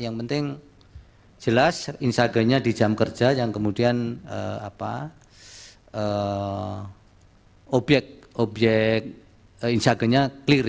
yang penting jelas instagramnya di jam kerja yang kemudian obyek insaggernya clear